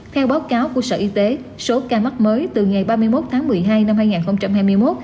theo báo cáo của sở y tế số ca mắc mới từ ngày ba mươi một tháng một mươi hai năm hai nghìn hai mươi một